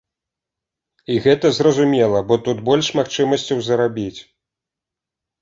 І гэта зразумела, бо тут больш магчымасцяў зарабіць.